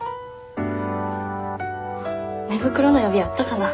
寝袋の予備あったかな？